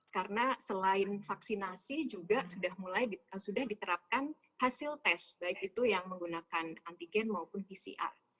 karena selain vaksinasi juga sudah diterapkan hasil tes baik itu yang menggunakan antigen maupun pcr